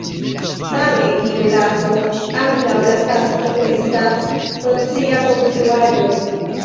Same kiel raso, ankaŭ la kasto estas socia konstruaĵo.